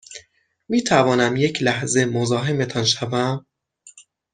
می توانم یک لحظه مزاحمتان شوم؟